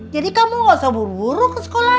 jadi kamu nggak usah buru buru ke sekolah